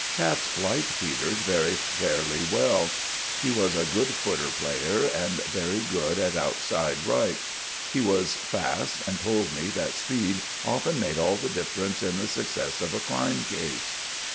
Chaps liked Peters very fairly well. He was a good 'footer' player, and very good at outside right. He was fast, and told me that speed often made all the difference to the success of a criminal case.